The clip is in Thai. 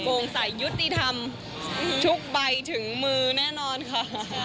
วงสายยุติธรรมทุกใบถึงมือแน่นอนค่ะ